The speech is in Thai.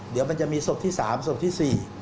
เดี๋ยวมันจะมีศพที่๓ศพที่๔